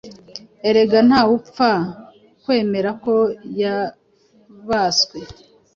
Erega ntawupfa kwemera ko yabaswe